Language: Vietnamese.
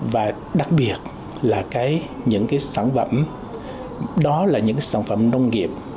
và đặc biệt là những cái sản phẩm đó là những cái sản phẩm nông nghiệp